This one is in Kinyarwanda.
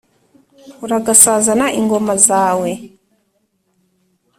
uragasazana ingoma zawe.